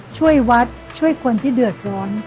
ช่วยวัดช่วยคนที่เดือดร้อน